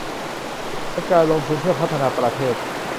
ในการลงทุนเพื่อพัฒนาประเทศ